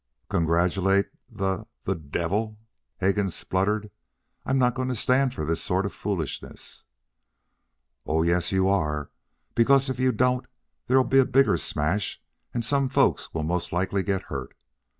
"Congratulate the the devil!" Hegan spluttered. "I'm not going to stand for this sort of foolishness." "Oh, yes, you are; because if you don't there'll be a bigger smash and some folks will most likely get hurt.